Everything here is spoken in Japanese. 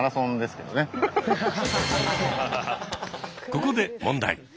ここで問題。